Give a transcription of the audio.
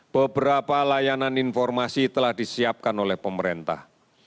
beberapa layanan informasi telah disiapkan oleh pemerintah